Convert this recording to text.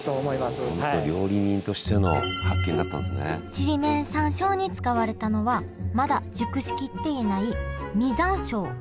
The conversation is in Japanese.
ちりめん山椒に使われたのはまだ熟しきっていない実山椒。